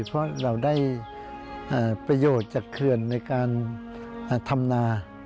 เพราะเราได้ประโยชน์จากเขื่อนในการทำนา